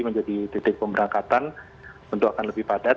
menjadi titik pemberangkatan tentu akan lebih padat